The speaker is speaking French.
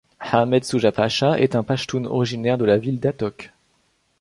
Ahmed Shuja Pasha est un pachtoune originaire de la ville d'Attock.